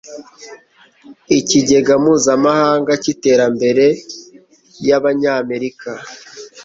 ikigega mpuzamahanga cy iterambere y abanyamerika